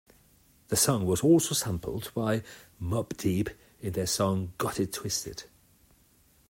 The song was also sampled by Mobb Deep in their song "Got It Twisted".